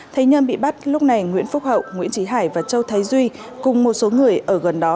thấy nhân bị bắt lúc này nguyễn phúc hậu nguyễn trí hải và châu thái duy cùng một số người ở gần đó